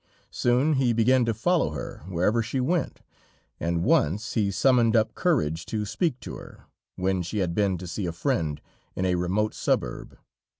Soon, he began to follow her wherever she went, and once he summoned up courage to speak to her, when she had been to see a friend in a remote suburb.